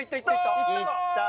いったー！